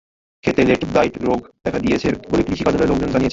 খেতে late blight রোগ দেখা দিয়েছে বলে কৃষি কার্যালয়ের লোকজন জানিয়েছেন।